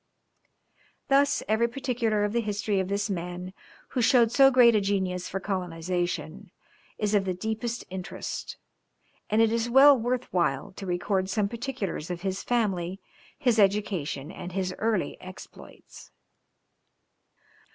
Thus every particular of the history of this man who showed so great a genius for colonisation, is of the deepest interest, and it is well worth while to record some particulars of his family, his education, and his early exploits.